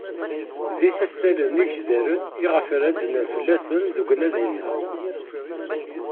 D isastalen igejdanen iɣef ad d-nerr fell-asen deg unadi-a-nneɣ.